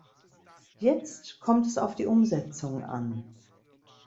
Jetzt kommt es auf die Umsetzung an.